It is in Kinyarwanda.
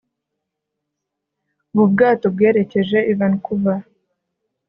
ubu bwato bwerekeje i vancouver